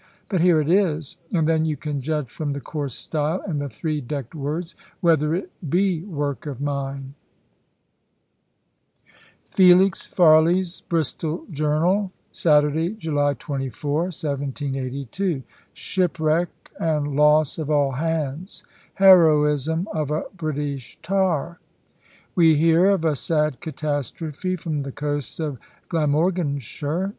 But here it is; and then you can judge from the coarse style, and the three decked words, whether it be work of mine. Felix Farley's Bristol Journal, Saturday, July 24, 1782. "Shipwreck and loss of all hands Heroism of a British tar. We hear of a sad catastrophe from the coast of Glamorganshire.